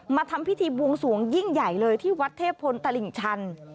ทำพิธีบวงสวงยิ่งใหญ่เลยที่วัดเทพพลตลิ่งชัน